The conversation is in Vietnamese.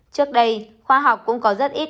trước đây khoa học cũng có rất ít